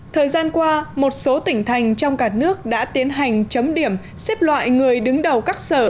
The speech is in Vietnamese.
thời gian qua một số tỉnh thành trong cả nước đã tiến hành chấm điểm xếp loại người đứng đầu các sở